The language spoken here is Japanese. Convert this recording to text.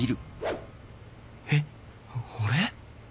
えっ俺⁉